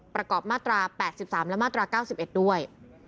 ประกอบมาตรา๘๓และมาตรา๙๑ด้วย